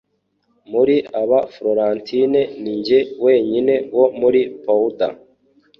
Muri aba Florentine Ninjye wenyine wo muri Padua